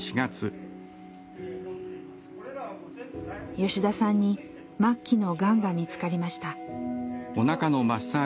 吉田さんに末期のがんが見つかりました。